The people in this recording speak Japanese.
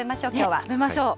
食べましょう。